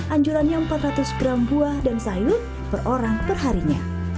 anjurannya empat ratus gram buah dan sayur per orang perharinya